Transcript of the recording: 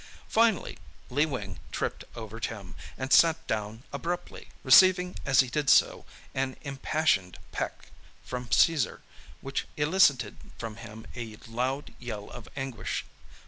Finally Lee Wing tripped over Tim, and sat down abruptly, receiving as he did so an impassioned peck from Caesar which elicited from him a loud yell of anguish.